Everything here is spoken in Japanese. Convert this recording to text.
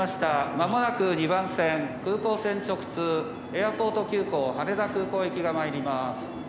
間もなく２番線空港線直通エアポート急行羽田空港行きがまいります」。